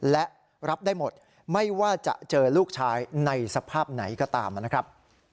และรับได้หมดไม่ว่าจะเจอลูกชายในสภาพไหนก็ตามนะครับ